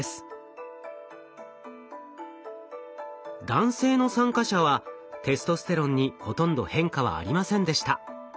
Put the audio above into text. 男性の参加者はテストステロンにほとんど変化はありませんでした。